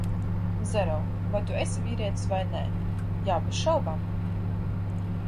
-Zero, vai tu esi vīrietis vai nē? -Jā, bez šaubām!